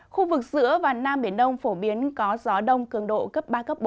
khu vực giữa và nam biển đông phổ biến có gió đông cường độ cấp ba bốn